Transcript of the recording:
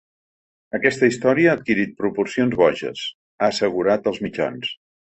Aquesta història ha adquirit proporcions boges, ha assegurat als mitjans.